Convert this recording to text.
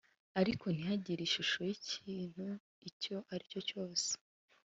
ariko ntihagire ishusho y’ikintu icyo ari cyo cyose